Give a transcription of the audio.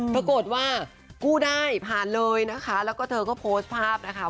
ปรากฏว่ากู้ได้ผ่านเลยนะคะแล้วก็เธอก็โพสต์ภาพนะคะ